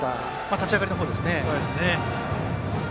立ち上がりの方ではですね。